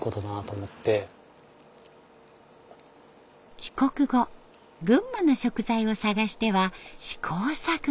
帰国後群馬の食材を探しては試行錯誤。